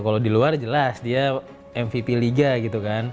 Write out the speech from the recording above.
kalau di luar jelas dia mvp liga gitu kan